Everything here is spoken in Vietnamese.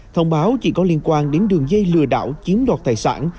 thông báo chị có liên quan đến đường dây lừa đảo chiếm đọt tài sản